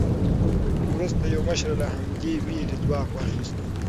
وروسته یو مشر له همدې وېرې ځواک واخیست.